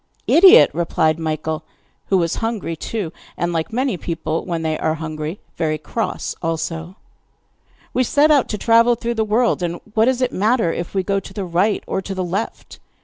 'Idiot!' replied Michael, who was hungry too, and, like many people when they are hungry, very cross also. 'We set out to travel through the world, and what does it matter if we go to the right or to the left?